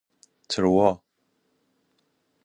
تراوا